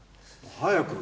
早く。